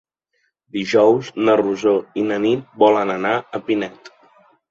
Dijous na Rosó i na Nit volen anar a Pinet.